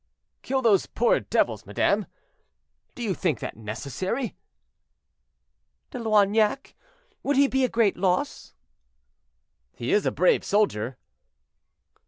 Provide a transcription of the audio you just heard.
"Kill those poor devils, madame! do you think that necessary?" "De Loignac! would he be a great loss?" "He is a brave soldier."